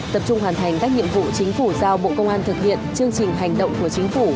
tập trung hoàn thành các nhiệm vụ chính phủ giao bộ công an thực hiện chương trình hành động của chính phủ